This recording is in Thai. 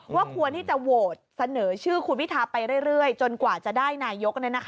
ควรที่จะโหวตเสนอชื่อคุณพิทาไปเรื่อยจนกว่าจะได้นายก